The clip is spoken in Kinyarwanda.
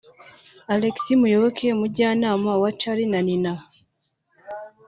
Alex Muyoboke umujyanama wa Charly na Nina